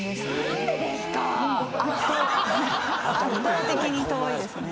何でですか！